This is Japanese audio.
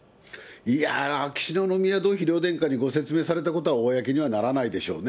いやー、秋篠宮殿下、妃殿下にご説明されたことは公にはならないでしょうね。